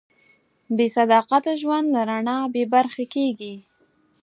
بېصداقته ژوند له رڼا بېبرخې کېږي.